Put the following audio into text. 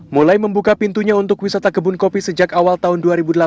mulai membuka pintunya untuk wisata kebun kopi sejak awal tahun dua ribu delapan belas